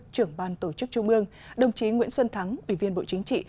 trưởng ban tổ chức trung ương đồng chí nguyễn xuân thắng ủy viên bộ chính trị